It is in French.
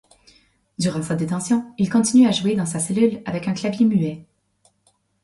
Durant sa détention, il continue à jouer dans sa cellule avec un clavier muet.